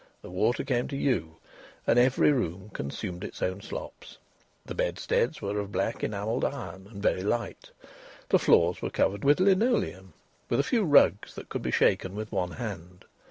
The water came to you, and every room consumed its own slops. The bedsteads were of black enamelled iron and very light. The floors were covered with linoleum, with a few rugs that could be shaken with one hand.